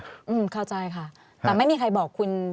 เข้าใจค่ะแต่ไม่มีใครบอกคุณ